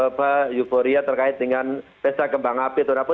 bapak euforia terkait dengan pesa kembang api atau api